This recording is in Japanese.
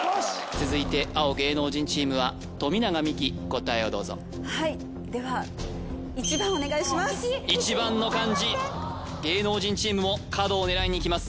続いて青・芸能人チームは富永美樹答えをどうぞはいでは１番の漢字芸能人チームも角を狙いにいきます